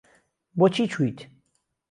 بۆچی چویت؟